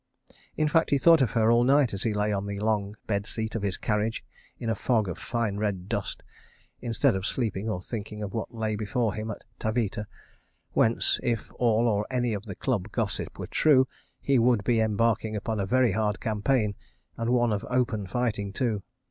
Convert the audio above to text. In fact he thought of her all night as he lay on the long bed seat of his carriage in a fog of fine red dust, instead of sleeping or thinking of what lay before him at Taveta, whence, if all or any of the Club gossip were true, he would be embarking upon a very hard campaign, and one of "open" fighting, too.